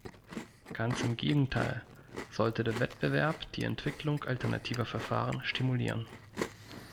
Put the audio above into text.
Ganz im Gegenteil sollte der Wettbewerb die Entwicklung alternativer Verfahren stimulieren.